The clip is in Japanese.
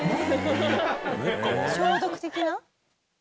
「消毒的な？」